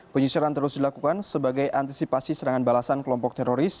penyisiran terus dilakukan sebagai antisipasi serangan balasan kelompok teroris